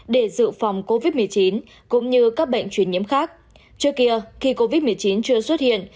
để dự phòng covid một mươi chín cũng như các bệnh truyền nhiễm khác trước kia khi covid một mươi chín chưa xuất hiện